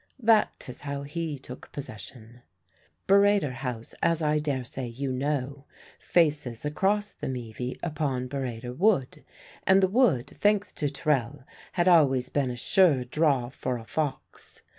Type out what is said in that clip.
That is how he took possession. Burrator House, as I daresay you know, faces across the Meavy upon Burrator Wood; and the wood, thanks to Terrell, had always been a sure draw for a fox.